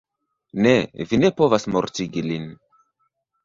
Ne, vi ne povas mortigi lin.